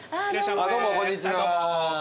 どうもこんにちは。